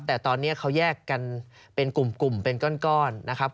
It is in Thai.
แต่ตอนนี้เขาแยกกันเป็นกลุ่มเป็นก้อนนะครับ